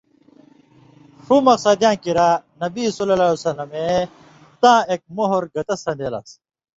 ݜُو مقصدیاں کِریا نبیؐ اے تاں اېک مُہر گتہ سَن٘دے لس،